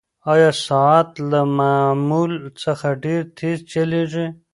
ایا ساعت له معمول څخه ډېر تېز چلیږي؟